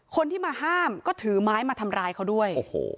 คนที่มาห้ามก็ถือไม้มาทำร้ายเขาด้วยโอ้โห